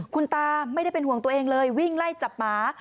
คุณตาไม่ได้เป็นห่วงตัวเองเลยวิ่งไล่จับหมา